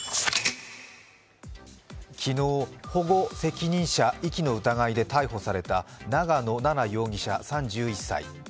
昨日、保護責任者遺棄の疑いで逮捕された長野奈々容疑者３１歳。